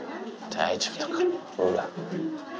大丈夫だから、ほら。